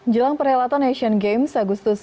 jelang perhelatan asian games agustus